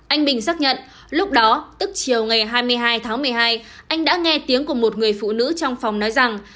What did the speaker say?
anh bình xác nhận lúc đó tức chiều ngày hai mươi hai tháng một mươi hai anh đã nghe tiếng của một người phụ nữ trong phòng nói rằng